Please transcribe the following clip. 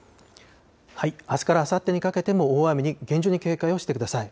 あすからあさってにかけても大雨に厳重に警戒をしてください。